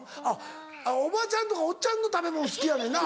おばちゃんとかおっちゃんの食べ物好きやねんな。